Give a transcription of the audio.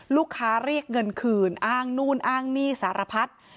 ลูกค้าเรียกเงินคืนอ้างนู่นอ้างนี่สารพัฒน์